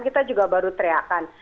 kita juga baru teriakan